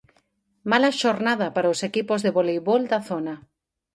Mala xornada para os equipos de voleibol da zona.